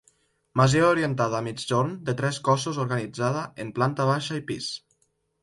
Masia orientada a migjorn de tres cossos organitzada en planta baixa i pis.